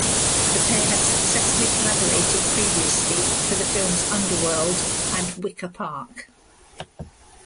The pair had successfully collaborated previously for the films "Underworld" and "Wicker Park".